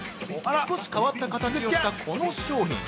少し変わった形をした、この商品。